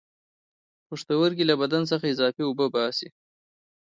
پښتورګي له بدن څخه اضافي اوبه وباسي